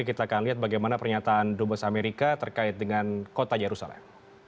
jadi kita akan lihat bagaimana pernyataan dombos amerika terkait dengan kota jerusalem